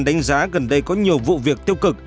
đánh giá gần đây có nhiều vụ việc tiêu cực